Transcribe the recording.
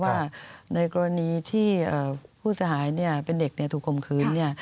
ว่าในกรณีที่ผู้เสียหายเป็นเด็กถูกคมคืน